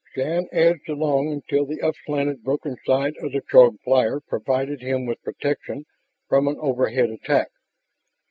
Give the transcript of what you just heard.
Shann edged along until the upslanted, broken side of the Throg flyer provided him with protection from any overhead attack.